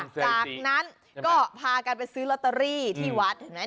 จากนั้นก็พากันไปซื้อลอตเตอรี่ที่วัดเห็นไหม